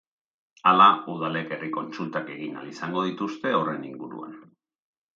Hala, udalek herri kontsultak egin ahal izango dituzte horren inguruan.